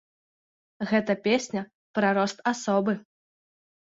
Гэта песня пра рост асобы.